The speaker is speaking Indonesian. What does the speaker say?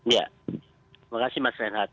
ya terima kasih mas renhat